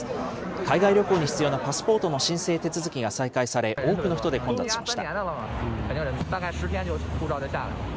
海外旅行に必要なパスポートの申請手続きが再開され、多くの人で混雑しました。